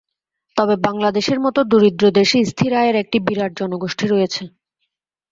তবে বাংলাদেশের মতো দরিদ্র দেশে স্থির আয়ের একটি বিরাট জনগোষ্ঠী রয়েছে।